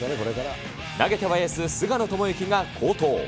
投げてはエース、菅野智之が好投。